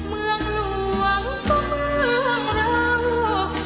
เมืองหลวงก็เมืองเรา